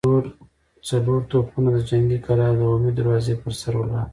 څلور توپونه د جنګي کلا د عمومي دروازې پر سر ولاړ دي.